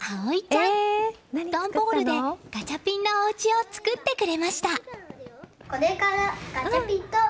段ボールでガチャピンのおうちを作ってくれました。